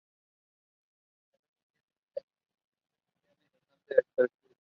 El modelo tiene una complexión mediana y es bastante atractivo.